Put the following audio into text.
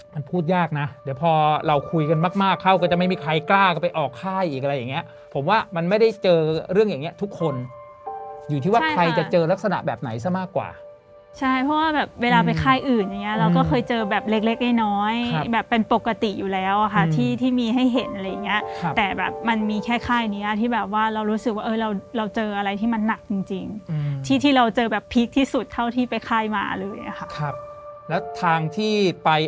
มันพูดยากนะเดี๋ยวพอเราคุยกันมากเข้าก็จะไม่มีใครกล้ากันไปออกค่ายอีกอะไรอย่างเนี้ยผมว่ามันไม่ได้เจอเรื่องอย่างเนี้ยทุกคนอยู่ที่ว่าใครจะเจอลักษณะแบบไหนซะมากกว่าใช่เพราะว่าแบบเวลาไปค่ายอื่นอย่างเงี้ยเราก็เคยเจอแบบเล็กน้อยแบบเป็นปกติอยู่แล้วอะค่ะที่ที่มีให้เห็นอะไรอย่างเงี้ยแต่แบบมันมีแค่